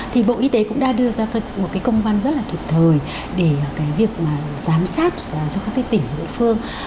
thì bộ y tế cũng đã đưa ra một cái công văn rất là kịp thời để cái việc mà giám sát cho các cái tỉnh địa phương